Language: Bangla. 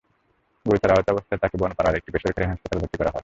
গুরুতর আহত অবস্থায় তাকে বনপাড়ার একটি বেসরকারি হাসপাতালে ভর্তি করা হয়।